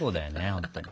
本当に。